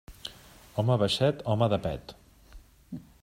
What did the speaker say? Home baixet, home de pet.